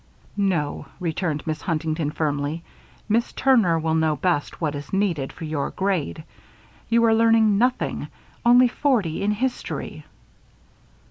"No," returned Mrs. Huntington, firmly, "Miss Turner will know best what is needed for your grade. You are learning nothing. Only forty in history."